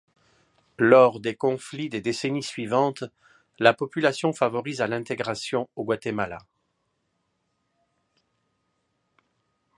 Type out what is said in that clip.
Lors des conflits des décennies suivantes, la population favorise à l'intégration au Guatemala.